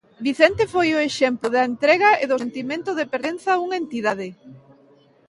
Vicente foi o exemplo da entrega e do sentimento de pertenza a unha entidade.